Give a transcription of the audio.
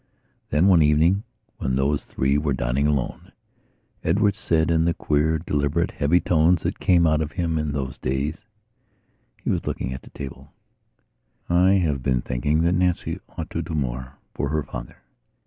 Then, one evening, when those three were dining alone, Edward said, in the queer, deliberate, heavy tones that came out of him in those days (he was looking at the table): "I have been thinking that Nancy ought to do more for her father.